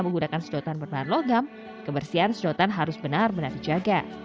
menggunakan sedotan berbahan logam kebersihan sedotan harus benar benar dijaga